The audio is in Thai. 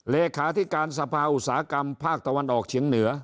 เลขาธิการสภาอุตสาหกรรมภาคตะวันออกเฉียงเหนือ